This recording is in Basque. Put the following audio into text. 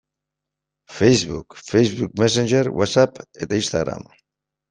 Facebook, Facebook Messenger, Whatsapp eta Instagram.